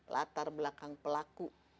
latar belakang pelaku